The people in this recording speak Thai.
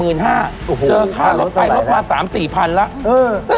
โอ้โหค่ารสไตล์ไปลดมา๓๐๐๐๔๐๐๐แล้ว